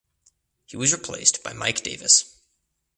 He was replaced by Mike Davis.